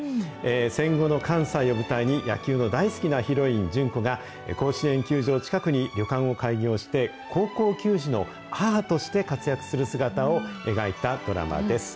戦後の関西を舞台に、野球の大好きなヒロイン、純子が、甲子園球場近くに旅館を開業して、高校球児の母として活躍する姿を描いたドラマです。